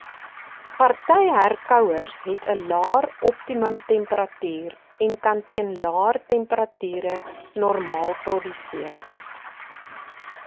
Party herkouers het 'n laer optimum temperatuur en kan teen laer temperature normaal produseer.